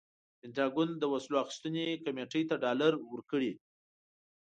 پنټاګون د وسلو اخیستنې کمپنۍ ته ډالر ورکړي.